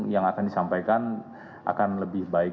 yang akan disampaikan akan lebih baik